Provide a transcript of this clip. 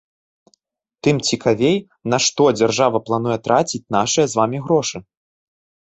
Тым цікавей, на што дзяржава плануе траціць нашыя з вамі грошы!